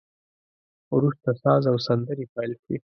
وروسته ساز او سندري پیل شوې.